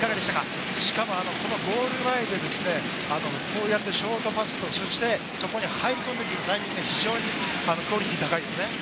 しかもゴール前でこうやってショートパス、そしてそこに入り込んで来るタイミング、非常にクオリティーが高いですね。